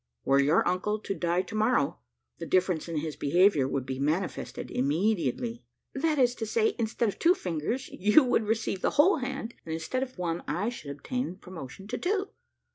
Were your uncle to die to morrow, the difference in his behaviour would be manifested immediately." "That is to say, instead of two fingers you would receive the whole hand, and instead of one, I should obtain promotion to two."